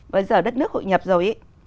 bây giờ đất nước hội nhập rồi ấy